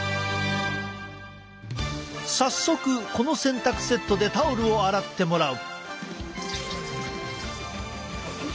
早速この洗濯セットでタオルを洗ってもらう。